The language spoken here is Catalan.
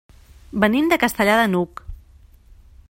Venim de Castellar de n'Hug.